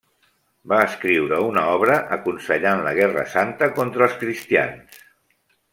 Va escriure una obra aconsellant la guerra santa contra els cristians.